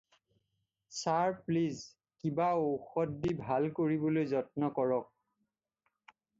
Sir please, কিবা ঔষধ দি ভাল কৰিবলৈ যত্ন কৰক।